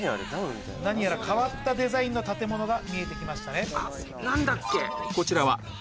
変わったデザインの建物が見えてきましたね。